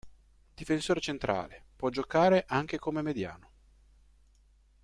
Difensore centrale, può giocare anche come mediano.